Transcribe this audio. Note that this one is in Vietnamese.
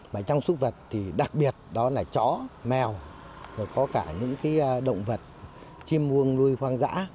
mà trong súc vật thì đặc biệt đó là chó mèo có cả những động vật chim uông lui khoang dã